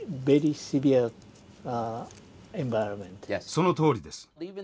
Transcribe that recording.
そのとおりです。